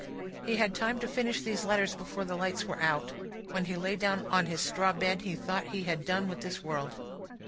He had time to finish these letters before the lights were put out. When he lay down on his straw bed, he thought he had done with this world.